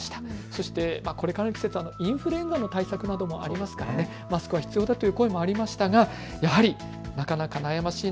そしてこれからの季節、インフルエンザの対策などもありますから、マスクが必要だという声もありましたが、やはりなかなか悩ましい。